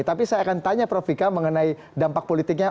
tapi saya akan tanya profikam mengenai dampak politiknya